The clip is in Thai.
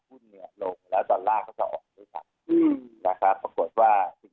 เดือนลงและต่อลาก็จะออก